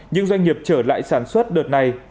những doanh nghiệp trở lại sản xuất đợt này